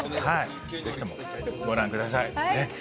ぜひともご覧ください。